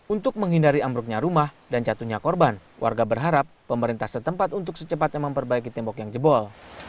untuk menghindari ambruknya rumah dan jatuhnya korban warga berharap pemerintah setempat untuk secepatnya memperbaiki tembok yang jebol